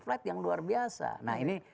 flight yang luar biasa nah ini